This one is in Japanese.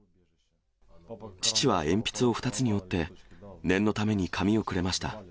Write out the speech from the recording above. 父は鉛筆を２つに折って、念のために紙をくれました。